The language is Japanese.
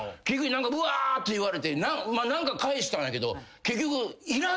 ぶわーっと言われて何か返したんやけど結局。